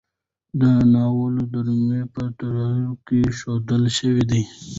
د دې ناول ډرامې په تیاتر کې ښودل شوي دي.